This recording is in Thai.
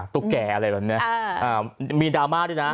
ตุ๊กแก่อะไรแบบนี้มีดราม่าด้วยนะ